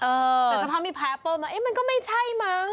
เออแต่สำหรับมีพลายแอปเปิ้ลมามันก็ไม่ใช่มั้ง